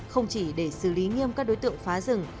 không chỉ để xử lý nghiêm các đối tượng phá rừng